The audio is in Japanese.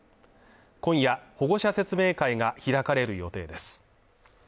今夜保護者説明会が開かれる予定です